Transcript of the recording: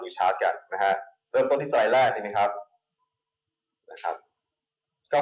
ที่เริ่มต้นที่สไลด์กัน